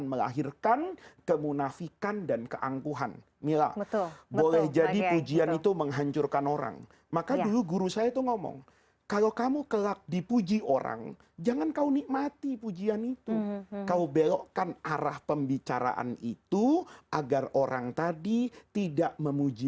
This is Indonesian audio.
orang jangan kau nikmati pujian itu kau belokkan arah pembicaraan itu agar orang tadi tidak memuji